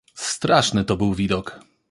"Straszny to był widok!"